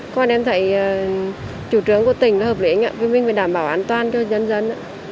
còn em thấy chủ trương của tỉnh hợp lý mình phải đảm bảo an toàn cho dân dân